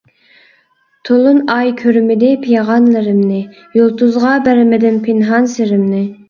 تولۇن ئاي كۆرمىدى پىغانلىرىمنى، يۇلتۇزغا بەرمىدىم پىنھان سىرىمنى.